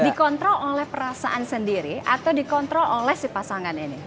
dikontrol oleh perasaan sendiri atau dikontrol oleh si pasangan ini